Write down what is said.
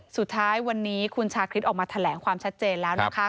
สุดท้ายวันนี้คุณชาคริสออกมาแถลงความชัดเจนแล้วนะคะ